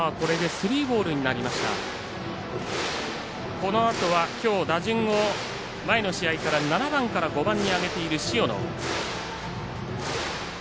このあとはきょう打順を前の試合から７番から５番に上げている塩野。